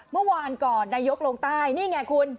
เมื่อวานก่อนนายกลงใต้นี่ไงคุณ